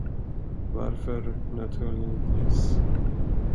Varför naturligtvis?